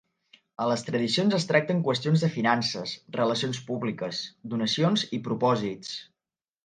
A les Tradicions es tracten qüestions de finances, relacions públiques, donacions i propòsits.